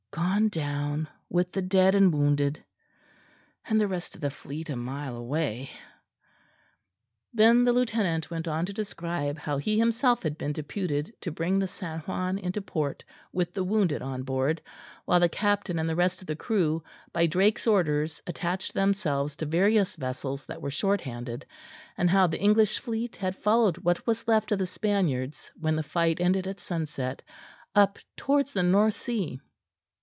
"Gone down with the dead and wounded; and the rest of the fleet a mile away." Then the lieutenant went on to describe how he himself had been deputed to bring the San Juan into port with the wounded on board, while the captain and the rest of the crew by Drake's orders attached themselves to various vessels that were short handed, and how the English fleet had followed what was left of the Spaniards when the fight ended at sunset, up towards the North Sea.